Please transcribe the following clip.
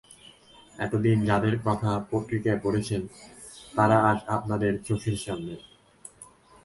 এতদিন যাদের কথা পত্রিকায় পড়েছেন, তারা আজ আপনাদের চোখের সামনে।